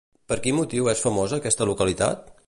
Per quin motiu és famosa aquesta localitat?